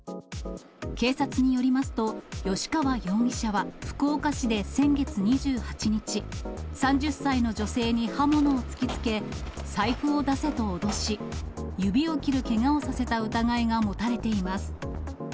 警察によりますと由川容疑者は福岡市で先月２８日、３０歳の女性に刃物を突きつけ、財布を出せと脅し、指を切るけがをさせた疑いが持たれています。